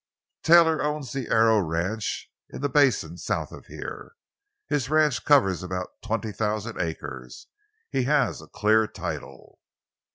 "Taylor owns the Arrow ranch, in the basin south of here. His ranch covers about twenty thousand acres. He has a clear title.